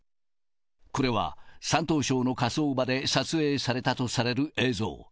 これは山東省の火葬場で撮影されたとされる映像。